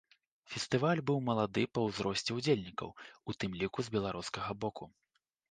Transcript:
Фестываль быў малады па ўзросце ўдзельнікаў, у тым ліку з беларускага боку.